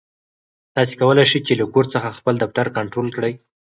تاسو کولای شئ چې له کور څخه خپل دفتر کنټرول کړئ.